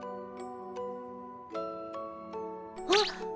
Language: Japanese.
あっ。